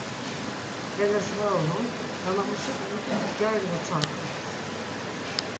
Beres var unon, nanamuşik nunǩus gyari noçarǩaps.